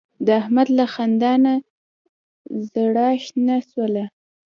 د احمد له خندا نه زاره شنه شوله.